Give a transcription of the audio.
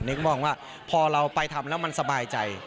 มองว่าพอเราไปทำแล้วมันสบายใจ